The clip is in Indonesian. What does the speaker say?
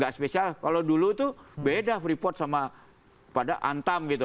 gak spesial kalau dulu itu beda freeport sama pada antam gitu